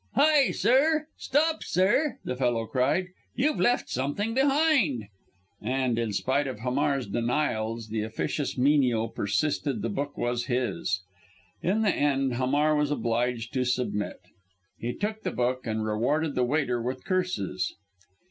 "Hi, sir, stop, sir!" the fellow cried. "You've left something behind!" And in spite of Hamar's denials the officious menial persisted the book was his. In the end Hamar was obliged to submit. He took the book, and rewarded the waiter with curses.